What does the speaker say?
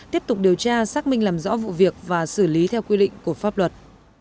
tiếp tục điều tra xác minh làm rõ vụ việc và xử lý theo quy định của pháp luật